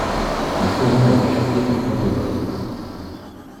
Le courant était capté par pantographe.